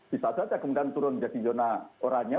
bisa saja kemudian turun menjadi zona oranye